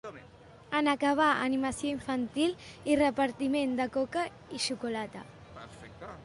En acabar, animació infantil i repartiment de coca i xocolata.